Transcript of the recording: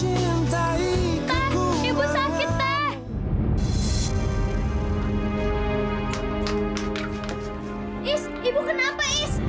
is ibu kenapa is